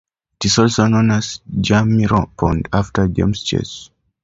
It is also known as Jamies Pond, after James Chase.